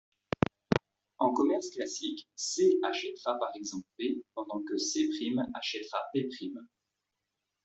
En commerce classique, C achètera par exemple P, pendant que C' achètera P'.